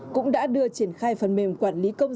cũng đã đưa triển khai dữ liệu quốc gia về dân cư